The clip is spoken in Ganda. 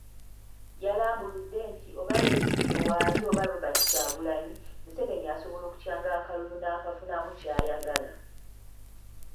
Yalambuludde nti oba Besigye waali oba Robert Kyagulanyi, Museveni asobola okukyanga akalulu n'afunamu kyayagala.